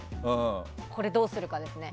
これ、どうするかですね。